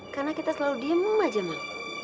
karena kita selalu diem aja mang